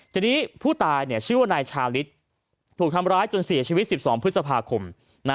ทีนี้ผู้ตายชื่อว่านายชาลิศถูกทำร้ายจนเสียชีวิต๑๒พฤษภาคม